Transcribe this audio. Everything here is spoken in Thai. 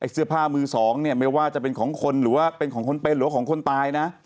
เสื้อผ้ามือสองเนี่ยไม่ว่าจะเป็นของคนหรือว่าเป็นของคนเป็นหรือว่าของคนตายนะ